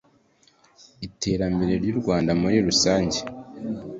Iterambere ry’u Rwanda muri rusange